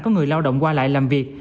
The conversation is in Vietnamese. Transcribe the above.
có người lao động qua lại làm việc